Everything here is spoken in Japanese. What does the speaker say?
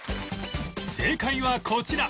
正解はこちら